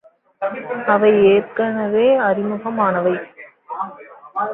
அவை ஏற்கனவே, அறிமுகமானவை.